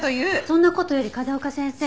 そんな事より風丘先生。